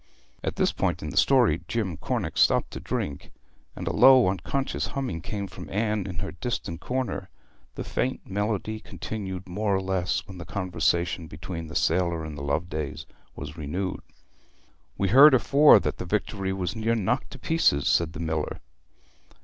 At this point in the story Jim Cornick stopped to drink, and a low unconscious humming came from Anne in her distant corner; the faint melody continued more or less when the conversation between the sailor and the Lovedays was renewed. 'We heard afore that the Victory was near knocked to pieces,' said the miller.